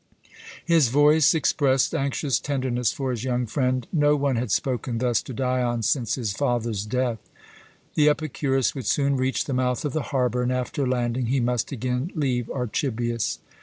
His voice expressed anxious tenderness for his young friend. No one had spoken thus to Dion since his father's death. The Epicurus would soon reach the mouth of the harbour, and after landing he must again leave Archibius.